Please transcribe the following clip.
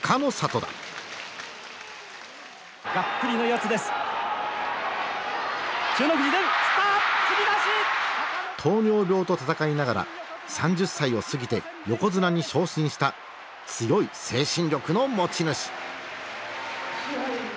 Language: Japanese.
糖尿病と闘いながら３０歳を過ぎて横綱に昇進した強い精神力の持ち主。